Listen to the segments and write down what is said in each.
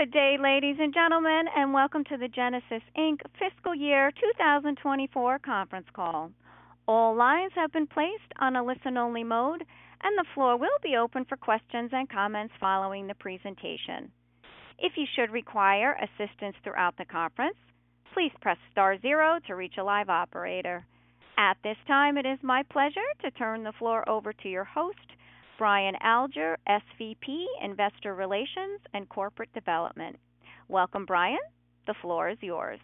Good day, ladies and gentlemen, and welcome to the Genasys Inc. Fiscal Year 2024 Conference Call. All lines have been placed on a listen-only mode, and the floor will be open for questions and comments following the presentation. If you should require assistance throughout the conference, please press star zero to reach a live operator. At this time, it is my pleasure to turn the floor over to your host, Brian Alger, SVP, Investor Relations and Corporate Development. Welcome, Brian. The floor is yours.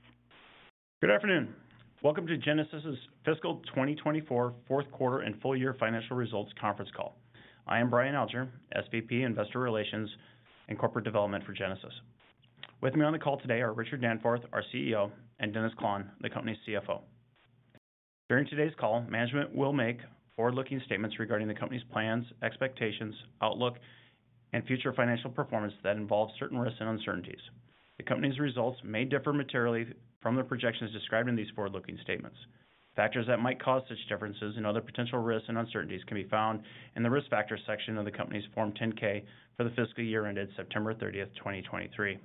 Good afternoon. Welcome to Genasys' Fiscal 2024 Fourth Quarter and Full Year Financial Results Conference Call. I am Brian Alger, SVP, Investor Relations and Corporate Development for Genasys. With me on the call today are Richard Danforth, our CEO, and Dennis Klahn, the company's CFO. During today's call, management will make forward-looking statements regarding the company's plans, expectations, outlook, and future financial performance that involve certain risks and uncertainties. The company's results may differ materially from the projections described in these forward-looking statements. Factors that might cause such differences and other potential risks and uncertainties can be found in the risk factors section of the company's Form 10-K for the fiscal year ended September 30, 2023.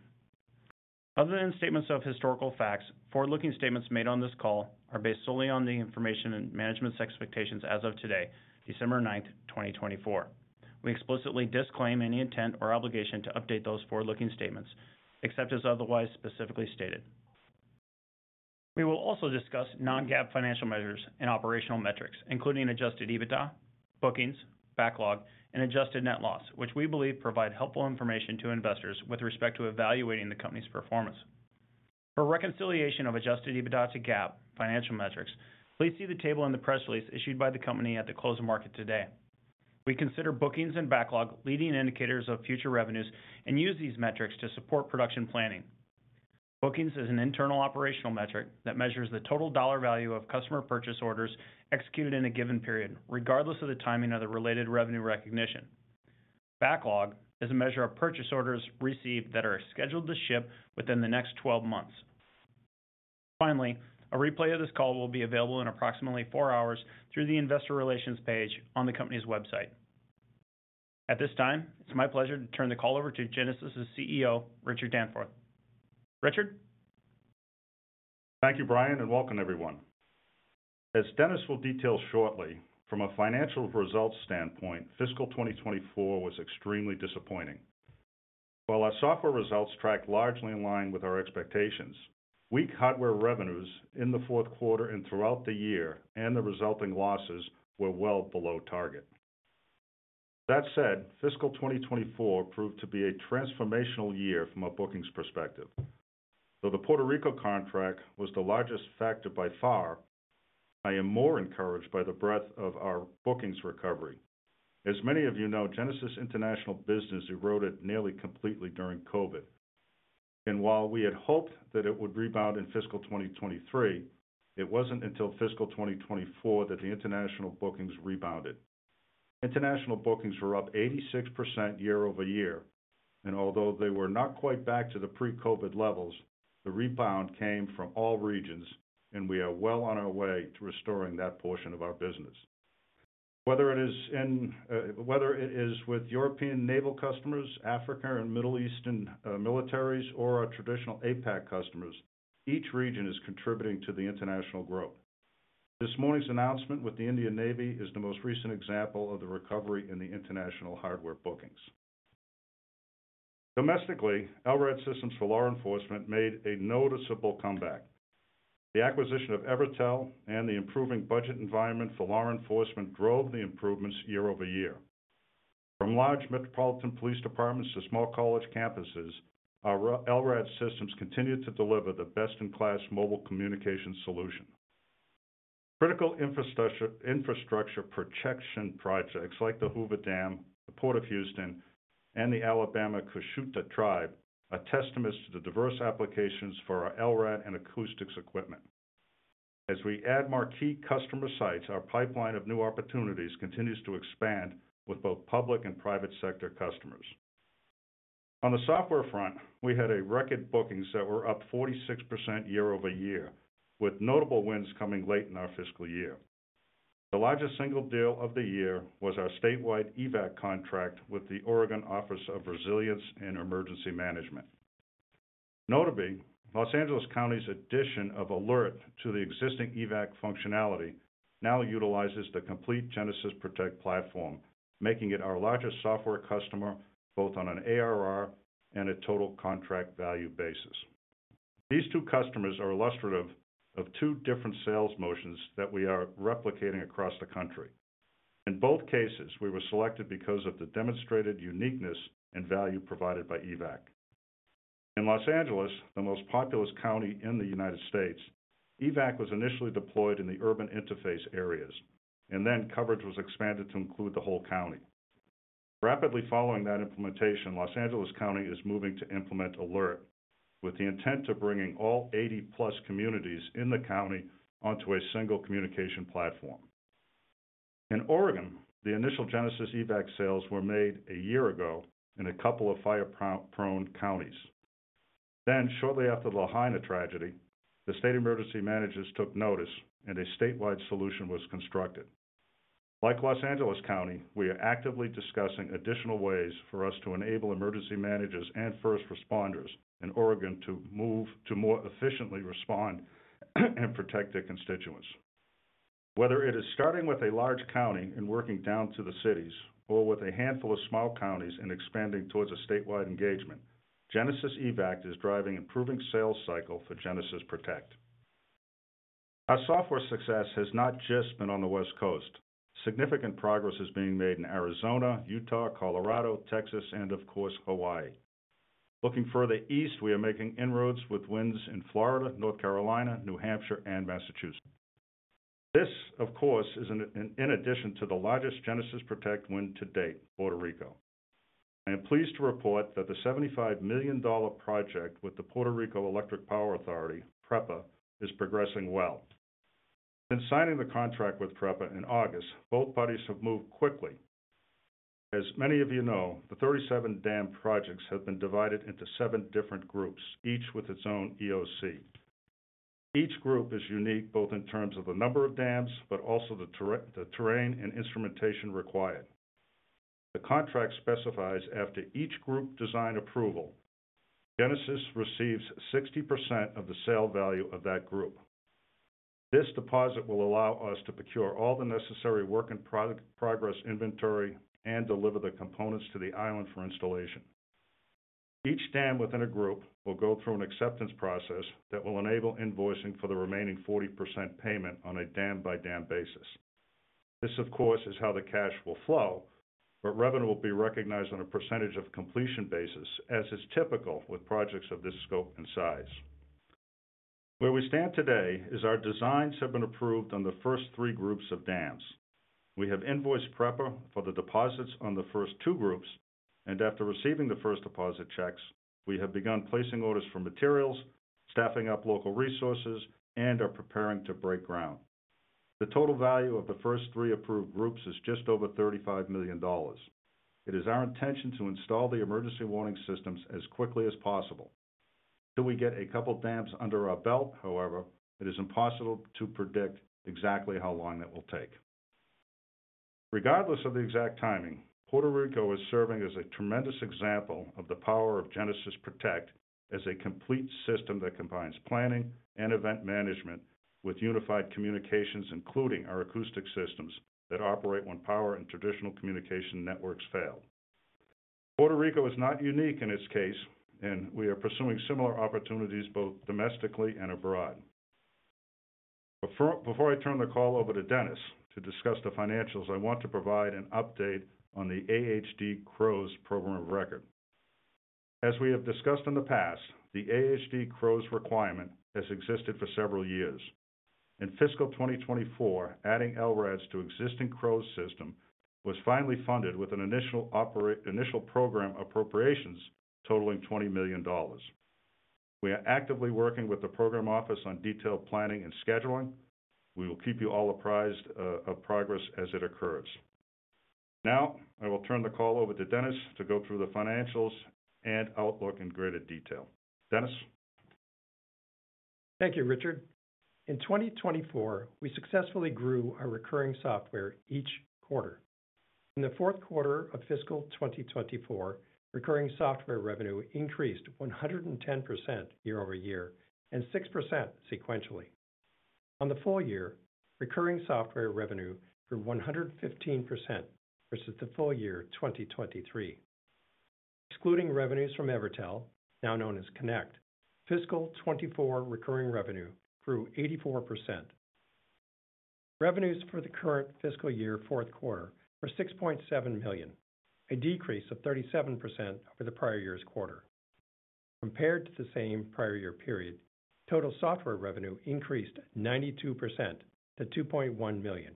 Other than statements of historical facts, forward-looking statements made on this call are based solely on the information and management's expectations as of today, December 9, 2024. We explicitly disclaim any intent or obligation to update those forward-looking statements except as otherwise specifically stated. We will also discuss non-GAAP financial measures and operational metrics, including Adjusted EBITDA, Bookings, Backlog, and Adjusted Net Loss, which we believe provide helpful information to investors with respect to evaluating the company's performance. For reconciliation of Adjusted EBITDA to GAAP financial metrics, please see the table in the press release issued by the company at the close of market today. We consider Bookings and Backlog leading indicators of future revenues and use these metrics to support production planning. Bookings is an internal operational metric that measures the total dollar value of customer purchase orders executed in a given period, regardless of the timing of the related revenue recognition. Backlog is a measure of purchase orders received that are scheduled to ship within the next 12 months. Finally, a replay of this call will be available in approximately four hours through the Investor Relations page on the company's website. At this time, it's my pleasure to turn the call over to Genasys' CEO, Richard Danforth. Richard? Thank you, Brian, and welcome, everyone. As Dennis will detail shortly, from a financial results standpoint, fiscal 2024 was extremely disappointing. While our software results tracked largely in line with our expectations, weak hardware revenues in the fourth quarter and throughout the year and the resulting losses were well below target. That said, fiscal 2024 proved to be a transformational year from a bookings perspective. Though the Puerto Rico contract was the largest factor by far, I am more encouraged by the breadth of our bookings recovery. As many of you know, Genasys' international business eroded nearly completely during COVID, and while we had hoped that it would rebound in fiscal 2023, it wasn't until fiscal 2024 that the international bookings rebounded. International bookings were up 86% year over year, and although they were not quite back to the pre-COVID levels, the rebound came from all regions, and we are well on our way to restoring that portion of our business. Whether it is with European naval customers, Africa and Middle Eastern militaries, or our traditional APAC customers, each region is contributing to the international growth. This morning's announcement with the Indian Navy is the most recent example of the recovery in the international hardware bookings. Domestically, LRAD Systems law enforcement made a noticeable comeback. The acquisition of Evertel and the improving budget environment for law enforcement drove the improvements year over year. From large metropolitan police departments to small college campuses, LRAD Systems continued to deliver the best-in-class mobile communication solution. Critical infrastructure projects like the Hoover Dam, the Port of Houston, and the Alabama-Coushatta Tribe are testaments to the diverse applications for our LRAD and acoustic equipment. As we add more key customer sites, our pipeline of new opportunities continues to expand with both public and private sector customers. On the software front, we had record bookings that were up 46% year over year, with notable wins coming late in our fiscal year. The largest single deal of the year was our statewide EVAC contract with the Oregon Office of Resilience and Emergency Management. Notably, Los Angeles County's addition of Genasys ALERT to the existing EVAC functionality now utilizes the complete Genasys Protect platform, making it our largest software customer both on an ARR and a total contract value basis. These two customers are illustrative of two different sales motions that we are replicating across the country. In both cases, we were selected because of the demonstrated uniqueness and value provided by EVAC. In Los Angeles, the most populous county in the United States, EVAC was initially deployed in the urban interface areas, and then coverage was expanded to include the whole county. Rapidly following that implementation, Los Angeles County is moving to implement Alert with the intent of bringing all 80-plus communities in the county onto a single communication platform. In Oregon, the initial Genasys EVAC sales were made a year ago in a couple of fire-prone counties. Then, shortly after the Lahaina tragedy, the state emergency managers took notice, and a statewide solution was constructed. Like Los Angeles County, we are actively discussing additional ways for us to enable emergency managers and first responders in Oregon to move to more efficiently respond and protect their constituents. Whether it is starting with a large county and working down to the cities or with a handful of small counties and expanding towards a statewide engagement, Genasys EVAC is driving an improving sales cycle for Genasys Protect. Our software success has not just been on the West Coast. Significant progress is being made in Arizona, Utah, Colorado, Texas, and, of course, Hawaii. Looking further east, we are making inroads with wins in Florida, North Carolina, New Hampshire, and Massachusetts. This, of course, is in addition to the largest Genasys Protect win to date, Puerto Rico. I am pleased to report that the $75 million project with the Puerto Rico Electric Power Authority, PREPA, is progressing well. Since signing the contract with PREPA in August, both parties have moved quickly. As many of you know, the 37 dam projects have been divided into seven different groups, each with its own EOC. Each group is unique both in terms of the number of dams but also the terrain and instrumentation required. The contract specifies after each group design approval, Genasys receives 60% of the sale value of that group. This deposit will allow us to procure all the necessary work and progress inventory and deliver the components to the island for installation. Each dam within a group will go through an acceptance process that will enable invoicing for the remaining 40% payment on a dam-by-dam basis. This, of course, is how the cash will flow, but revenue will be recognized on a percentage of completion basis, as is typical with projects of this scope and size. Where we stand today is our designs have been approved on the first three groups of dams. We have invoiced PREPA for the deposits on the first two groups, and after receiving the first deposit checks, we have begun placing orders for materials, staffing up local resources, and are preparing to break ground. The total value of the first three approved groups is just over $35 million. It is our intention to install the emergency warning systems as quickly as possible. Until we get a couple of dams under our belt, however, it is impossible to predict exactly how long that will take. Regardless of the exact timing, Puerto Rico is serving as a tremendous example of the power of Genasys Protect as a complete system that combines planning and event management with unified communications, including our acoustic systems that operate when power and traditional communication networks fail. Puerto Rico is not unique in its case, and we are pursuing similar opportunities both domestically and abroad. Before I turn the call over to Dennis to discuss the financials, I want to provide an update on the AHD CROWS Program of Record. As we have discussed in the past, the AHD CROWS requirement has existed for several years. In fiscal 2024, adding LRADs to the existing CROWS system was finally funded with an initial program appropriations totaling $20 million. We are actively working with the program office on detailed planning and scheduling. We will keep you all apprised of progress as it occurs. Now, I will turn the call over to Dennis to go through the financials and outlook in greater detail. Dennis? Thank you, Richard. In 2024, we successfully grew our recurring software each quarter. In the fourth quarter of fiscal 2024, recurring software revenue increased 110% year over year and 6% sequentially. On the full year, recurring software revenue grew 115% versus the full year 2023. Excluding revenues from Evertel, now known as CONNECT, fiscal '24 recurring revenue grew 84%. Revenues for the current fiscal year fourth quarter were $6.7 million, a decrease of 37% over the prior year's quarter. Compared to the same prior year period, total software revenue increased 92% to $2.1 million.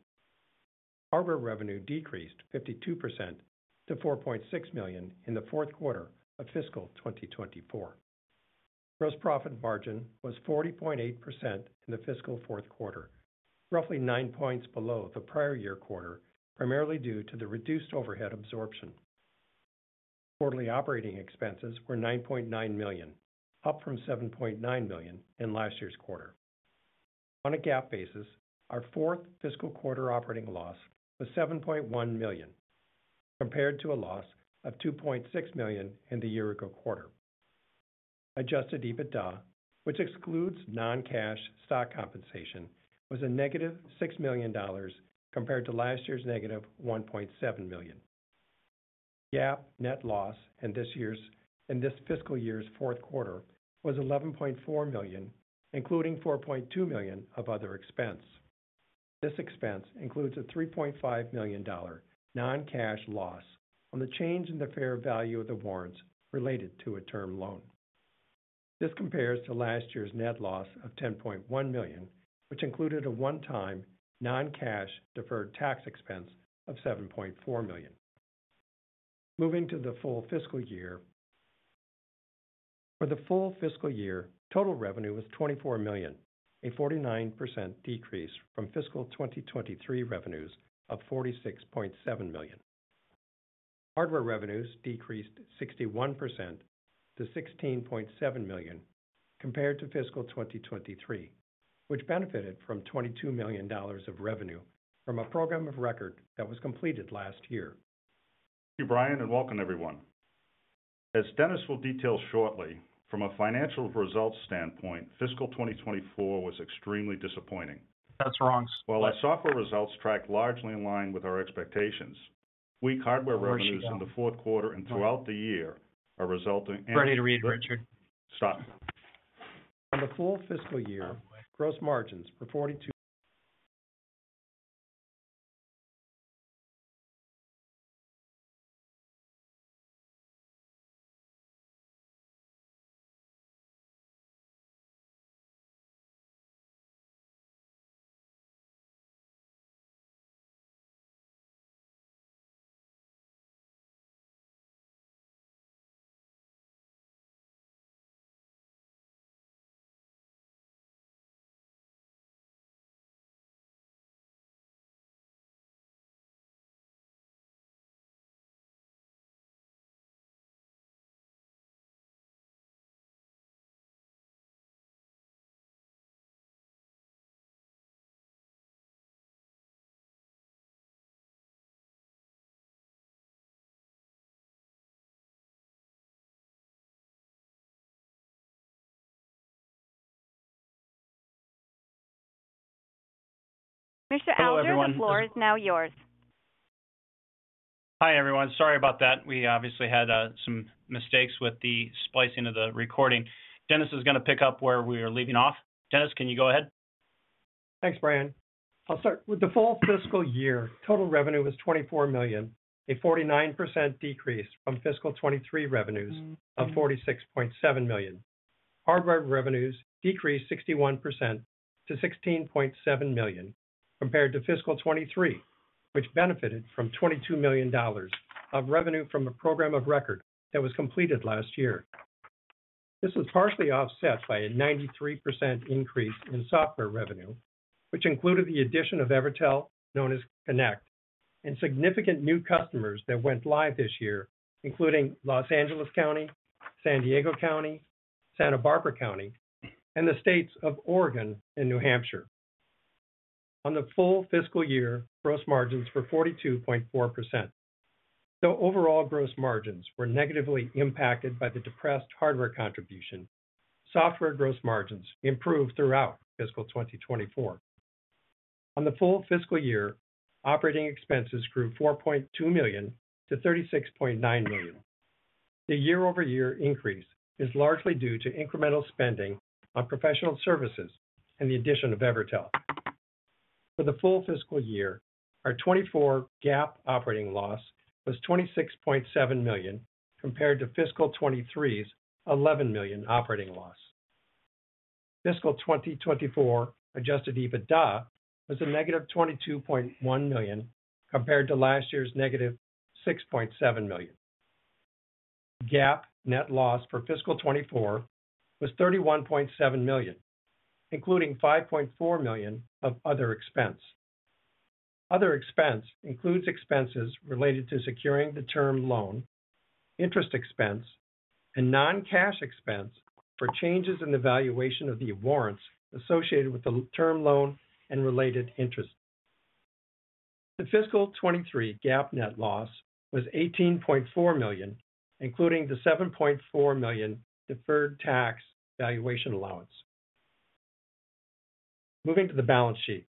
Hardware revenue decreased 52% to $4.6 million in the fourth quarter of fiscal 2024. Gross profit margin was 40.8% in the fiscal fourth quarter, roughly nine points below the prior year quarter, primarily due to the reduced overhead absorption. Quarterly operating expenses were $9.9 million, up from $7.9 million in last year's quarter. On a GAAP basis, our fourth fiscal quarter operating loss was $7.1 million, compared to a loss of $2.6 million in the year-ago quarter. Adjusted EBITDA, which excludes non-cash stock compensation, was a negative $6 million compared to last year's negative $1.7 million. GAAP net loss in this fiscal year's fourth quarter was $11.4 million, including $4.2 million of other expense. This expense includes a $3.5 million non-cash loss on the change in the fair value of the warrants related to a term loan. This compares to last year's net loss of $10.1 million, which included a one-time non-cash deferred tax expense of $7.4 million. Moving to the full fiscal year. For the full fiscal year, total revenue was $24 million, a 49% decrease from fiscal 2023 revenues of $46.7 million. Hardware revenues decreased 61% to $16.7 million compared to fiscal 2023, which benefited from $22 million of revenue from a program of record that was completed last year. Thank you, Brian, and welcome, everyone. As Dennis will detail shortly, from a financial results standpoint, fiscal 2024 was extremely disappointing. That's wrong. While our software results tracked largely in line with our expectations, weak hardware revenues in the fourth quarter and throughout the year are resulting in. Ready to read, Richard. Stop. On the full fiscal year, gross margins were 42%. Mr. Alger, the floor is now yours. Hi, everyone. Sorry about that. We obviously had some mistakes with the splicing of the recording. Dennis is going to pick up where we were leaving off. Dennis, can you go ahead? Thanks, Brian. I'll start. With the full fiscal year, total revenue was $24 million, a 49% decrease from fiscal 2023 revenues of $46.7 million. Hardware revenues decreased 61% to $16.7 million compared to fiscal 2023, which benefited from $22 million of revenue from a program of record that was completed last year. This was partially offset by a 93% increase in software revenue, which included the addition of Evertel, known as CONNECT, and significant new customers that went live this year, including Los Angeles County, San Diego County, Santa Barbara County, and the states of Oregon and New Hampshire. On the full fiscal year, gross margins were 42.4%. Though overall gross margins were negatively impacted by the depressed hardware contribution, software gross margins improved throughout fiscal 2024. On the full fiscal year, operating expenses grew $4.2 million to $36.9 million. The year-over-year increase is largely due to incremental spending on professional services and the addition of Evertel. For the full fiscal year, our 2024 GAAP operating loss was $26.7 million compared to fiscal 2023's $11 million operating loss. Fiscal 2024 adjusted EBITDA was a negative $22.1 million compared to last year's negative $6.7 million. GAAP net loss for fiscal 2024 was $31.7 million, including $5.4 million of other expense. Other expense includes expenses related to securing the term loan, interest expense, and non-cash expense for changes in the valuation of the warrants associated with the term loan and related interest. The fiscal 2023 GAAP net loss was $18.4 million, including the $7.4 million deferred tax valuation allowance. Moving to the balance sheet,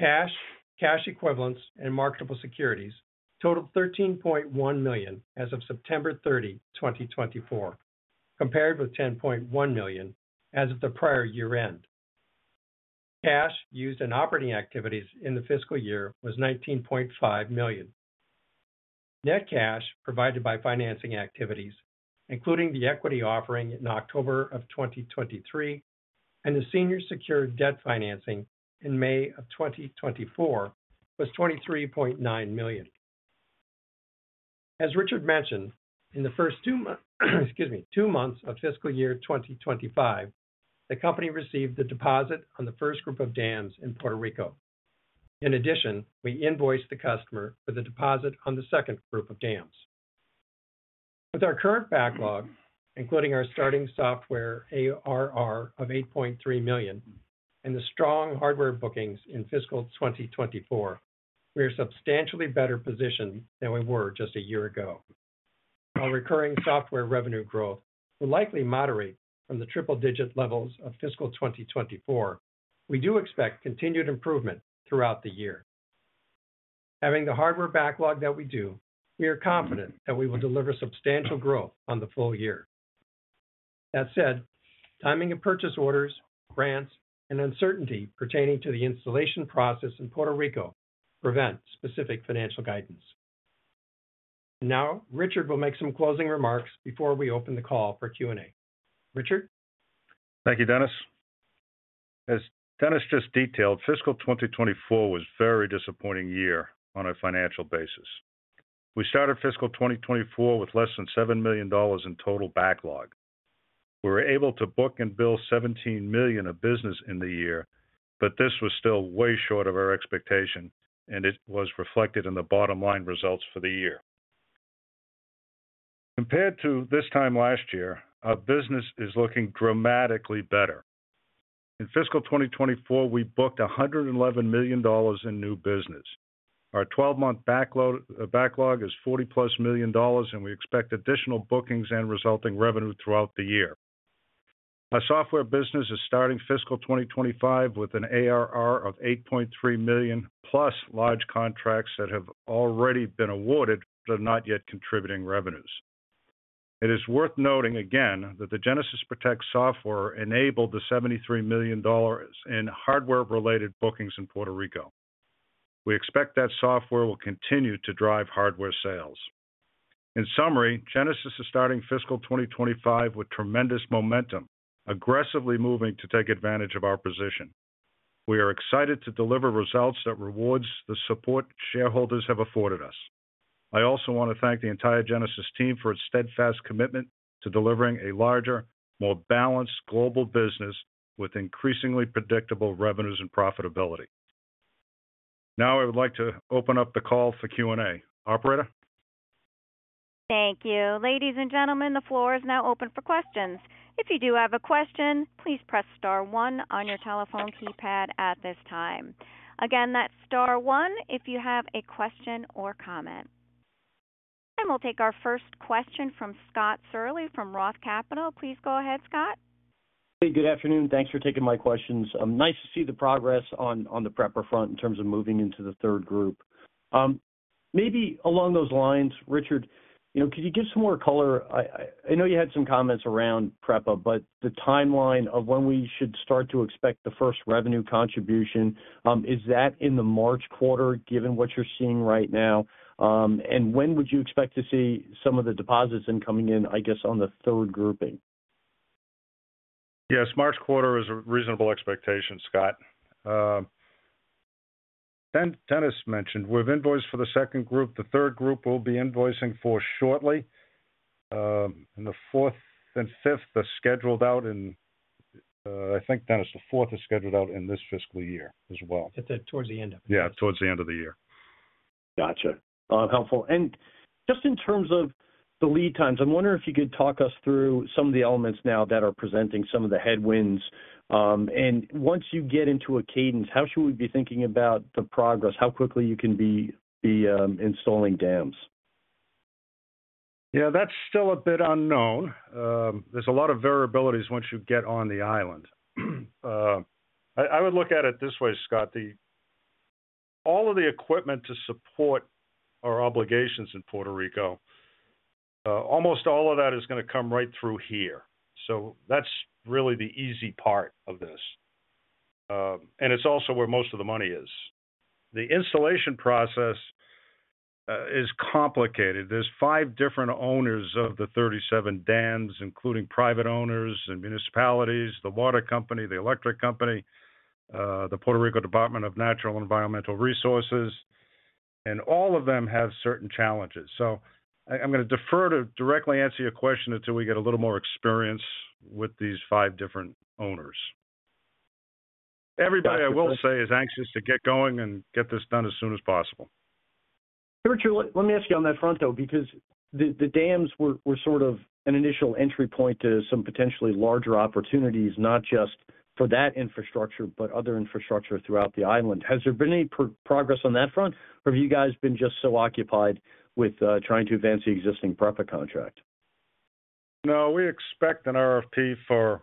cash, cash equivalents, and marketable securities totaled $13.1 million as of September 30, 2024, compared with $10.1 million as of the prior year-end. Cash used in operating activities in the fiscal year was $19.5 million. Net cash provided by financing activities, including the equity offering in October of 2023 and the senior secured debt financing in May of 2024, was $23.9 million. As Richard mentioned, in the first two months of fiscal year 2025, the company received the deposit on the first group of dams in Puerto Rico. In addition, we invoiced the customer for the deposit on the second group of dams. With our current backlog, including our starting software ARR of $8.3 million and the strong hardware bookings in fiscal 2024, we are substantially better positioned than we were just a year ago. While recurring software revenue growth will likely moderate from the triple-digit levels of fiscal 2024, we do expect continued improvement throughout the year. Having the hardware backlog that we do, we are confident that we will deliver substantial growth on the full year. That said, timing of purchase orders, grants, and uncertainty pertaining to the installation process in Puerto Rico prevent specific financial guidance. Now, Richard will make some closing remarks before we open the call for Q&A. Richard? Thank you, Dennis. As Dennis just detailed, fiscal 2024 was a very disappointing year on a financial basis. We started fiscal 2024 with less than $7 million in total backlog. We were able to book and bill $17 million of business in the year, but this was still way short of our expectation, and it was reflected in the bottom line results for the year. Compared to this time last year, our business is looking dramatically better. In fiscal 2024, we booked $111 million in new business. Our 12-month backlog is $40-plus million, and we expect additional bookings and resulting revenue throughout the year. Our software business is starting fiscal 2025 with an ARR of $8.3 million plus large contracts that have already been awarded but are not yet contributing revenues. It is worth noting, again, that the Genasys Protect software enabled the $73 million in hardware-related bookings in Puerto Rico. We expect that software will continue to drive hardware sales. In summary, Genasys is starting fiscal 2025 with tremendous momentum, aggressively moving to take advantage of our position. We are excited to deliver results that reward the support shareholders have afforded us. I also want to thank the entire Genasys team for its steadfast commitment to delivering a larger, more balanced global business with increasingly predictable revenues and profitability. Now, I would like to open up the call for Q&A. Operator? Thank you. Ladies and gentlemen, the floor is now open for questions. If you do have a question, please press star one on your telephone keypad at this time. Again, that's star one if you have a question or comment. And we'll take our first question from Scott Searle from Roth Capital. Please go ahead, Scott. Hey, good afternoon. Thanks for taking my questions. Nice to see the progress on the PREPA front in terms of moving into the third group. Maybe along those lines, Richard, could you give some more color? I know you had some comments around PREPA, but the timeline of when we should start to expect the first revenue contribution, is that in the March quarter given what you're seeing right now? And when would you expect to see some of the deposits incoming in, I guess, on the third grouping? Yes, March quarter is a reasonable expectation, Scott. Dennis mentioned, we have invoiced for the second group. The third group we'll be invoicing for shortly. And the fourth and fifth are scheduled out in, I think, Dennis, the fourth is scheduled out in this fiscal year as well. Toward the end of the year. Yeah, towards the end of the year. Gotcha. All helpful. And just in terms of the lead times, I'm wondering if you could talk us through some of the elements now that are presenting some of the headwinds. And once you get into a cadence, how should we be thinking about the progress, how quickly you can be installing dams? Yeah, that's still a bit unknown. There's a lot of variabilities once you get on the island. I would look at it this way, Scott. All of the equipment to support our obligations in Puerto Rico, almost all of that is going to come right through here. So that's really the easy part of this, and it's also where most of the money is. The installation process is complicated. There's five different owners of the 37 dams, including private owners and municipalities, the water company, the electric company, the Puerto Rico Department of Natural and Environmental Resources, and all of them have certain challenges. So I'm going to defer to directly answer your question until we get a little more experience with these five different owners. Everybody, I will say, is anxious to get going and get this done as soon as possible. Richard, let me ask you on that front, though, because the dams were sort of an initial entry point to some potentially larger opportunities, not just for that infrastructure, but other infrastructure throughout the island. Has there been any progress on that front, or have you guys been just so occupied with trying to advance the existing PREPA contract? No, we expect an RFP for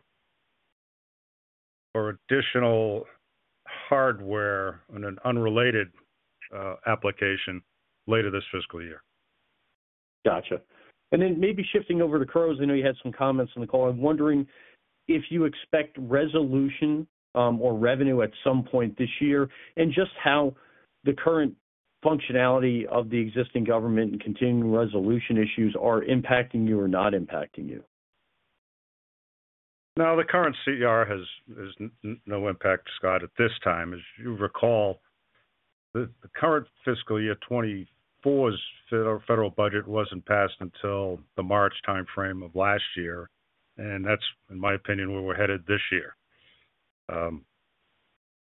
additional hardware and an unrelated application later this fiscal year. Gotcha. And then maybe shifting over to CROWS, I know you had some comments on the call. I'm wondering if you expect resolution or revenue at some point this year, and just how the current functionality of the existing government and continuing resolution issues are impacting you or not impacting you? No, the current CR has no impact, Scott, at this time. As you recall, the current fiscal year 2024's federal budget wasn't passed until the March timeframe of last year. And that's, in my opinion, where we're headed this year.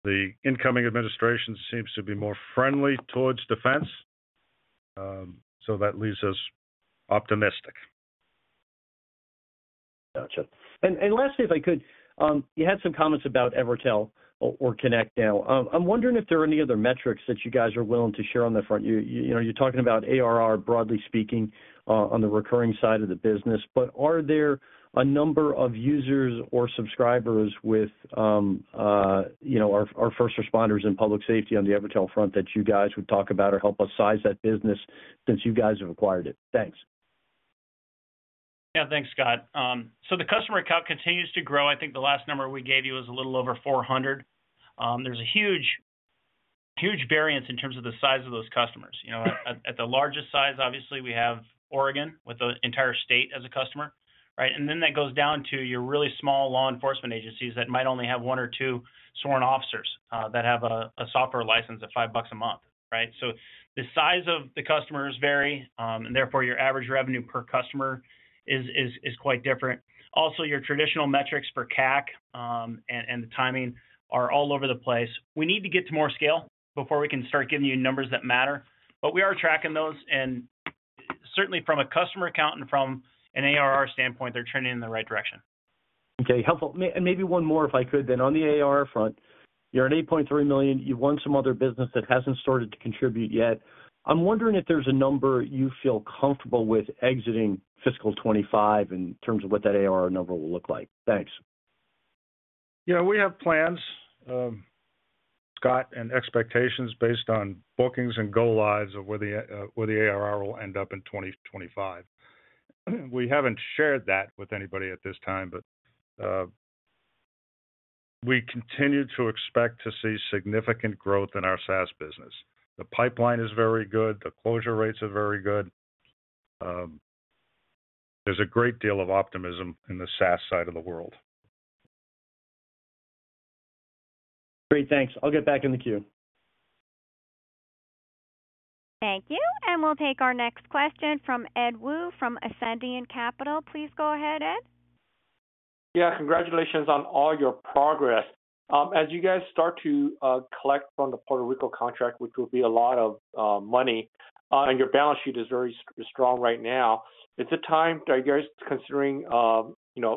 The incoming administration seems to be more friendly towards defense. So that leaves us optimistic. Gotcha. And lastly, if I could, you had some comments about Evertel or CONNECT now. I'm wondering if there are any other metrics that you guys are willing to share on the front. You're talking about ARR, broadly speaking, on the recurring side of the business. But are there a number of users or subscribers with our first responders and public safety on the Evertel front that you guys would talk about or help us size that business since you guys have acquired it? Thanks. Yeah, thanks, Scott. The customer count continues to grow. I think the last number we gave you was a little over 400. There's a huge variance in terms of the size of those customers. At the largest size, obviously, we have Oregon with the entire state as a customer. And then that goes down to your really small law enforcement agencies that might only have one or two sworn officers that have a software license at $5 a month. The size of the customers vary, and therefore your average revenue per customer is quite different. Also, your traditional metrics for CAC and the timing are all over the place. We need to get to more scale before we can start giving you numbers that matter. But we are tracking those. And certainly, from a customer count and from an ARR standpoint, they're trending in the right direction. Okay, helpful. And maybe one more, if I could, then. On the ARR front, you're at $8.3 million. You've won some other business that hasn't started to contribute yet. I'm wondering if there's a number you feel comfortable with exiting fiscal 2025 in terms of what that ARR number will look like. Thanks. Yeah, we have plans, Scott, and expectations based on bookings and go lives of where the ARR will end up in 2025. We haven't shared that with anybody at this time, but we continue to expect to see significant growth in our SaaS business. The pipeline is very good. The closure rates are very good. There's a great deal of optimism in the SaaS side of the world. Great, thanks. I'll get back in the queue. Thank you. And we'll take our next question from Ed Woo from Ascendiant Capital. Please go ahead, Ed. Yeah, congratulations on all your progress. As you guys start to collect from the Puerto Rico contract, which will be a lot of money, and your balance sheet is very strong right now, is it time to consider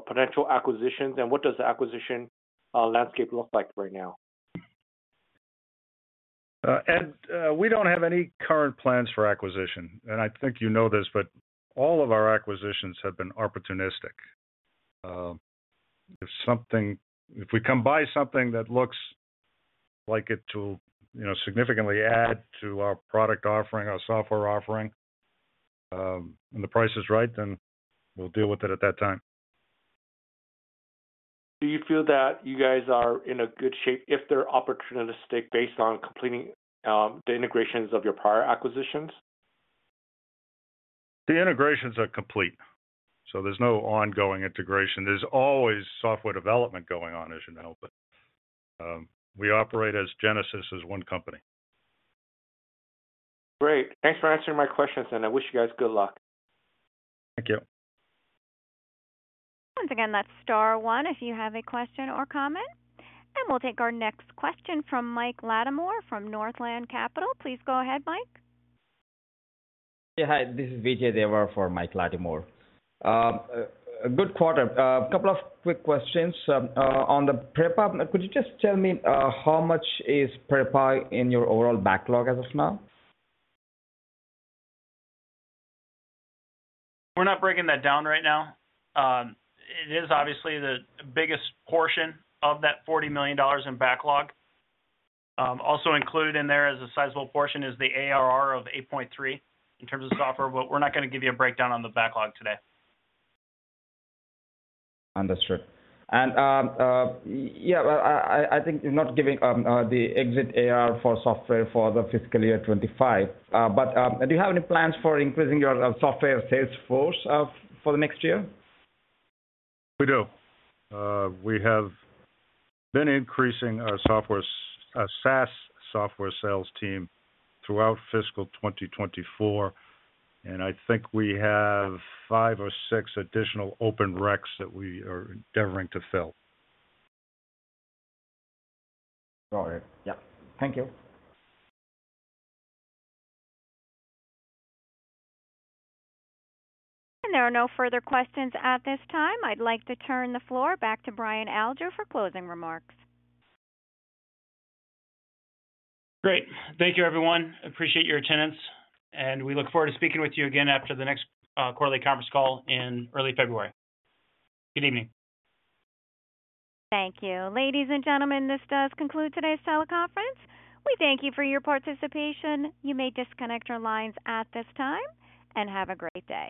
potential acquisitions? And what does the acquisition landscape look like right now? Ed, we don't have any current plans for acquisition. And I think you know this, but all of our acquisitions have been opportunistic. If we can buy something that looks like it will significantly add to our product offering, our software offering, and the price is right, then we'll deal with it at that time. Do you feel that you guys are in good shape if they're opportunistic based on completing the integrations of your prior acquisitions? The integrations are complete. So there's no ongoing integration. There's always software development going on, as you know. But we operate as Genasys as one company. Great. Thanks for answering my questions, and I wish you guys good luck. Thank you. Once again, that's star one if you have a question or comment. And we'll take our next question from Mike Latimore from Northland Capital. Please go ahead, Mike. Yeah, hi. This is Vijay Devarapalli for Mike Latimore. A good quarter. A couple of quick questions. On the PREPA, could you just tell me how much is PREPA in your overall backlog as of now? We're not breaking that down right now. It is obviously the biggest portion of that $40 million in backlog. Also included in there as a sizable portion is the ARR of 8.3 in terms of software, but we're not going to give you a breakdown on the backlog today. Understood, and yeah, I think you're not giving the exit ARR for software for the fiscal year 2025, but do you have any plans for increasing your software sales force for the next year? We do. We have been increasing our SaaS software sales team throughout fiscal 2024, and I think we have five or six additional open recs that we are endeavoring to fill. Got it. Yeah. Thank you. There are no further questions at this time. I'd like to turn the floor back to Brian Alger for closing remarks. Great. Thank you, everyone. Appreciate your attendance, and we look forward to speaking with you again after the next quarterly conference call in early February. Good evening. Thank you. Ladies and gentlemen, this does conclude today's teleconference. We thank you for your participation. You may disconnect your lines at this time and have a great day.